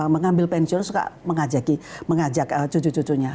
mengambil pensiun suka mengajak cucu cucunya